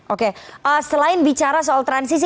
oke selain bicara soal transisi